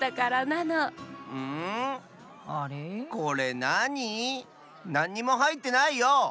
なんにもはいってないよ！